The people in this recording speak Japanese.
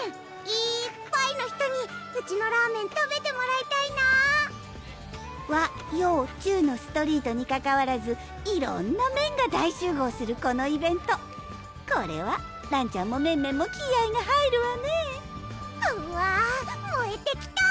いっぱいの人にうちのラーメン食べてもらいたいな和洋中のストリートにかかわらず色んな麺が大集合するこのイベントこれはらんちゃんもメンメンも気合が入るわねはうわもえてきた！